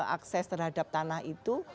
akses terhadap tanah itu